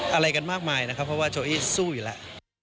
อะไรกันมากมายนะครับเพราะว่าโจอี้สู้อยู่แล้ว